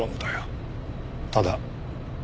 ただ。